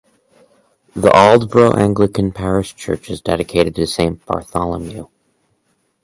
The Aldbrough Anglican parish church is dedicated to Saint Bartholomew.